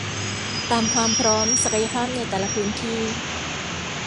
ตามความพร้อม ศักยภาพในแต่ละพื้นที่